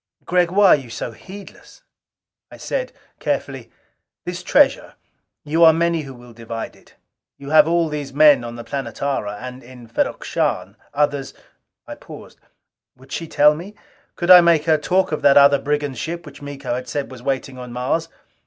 Gregg, why are you so heedless?" I said carefully, "This treasure you are many who will divide it. You have all these men on the Planetara. And in Ferrok Shahn, others " I paused. Would she tell me? Could I make her talk of that other brigand ship which Miko had said was waiting on Mars?